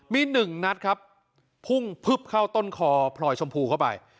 มีหนึ่งนัดครับพุ่งพึบเข้าต้นคอพลอยชมพูเข้าไป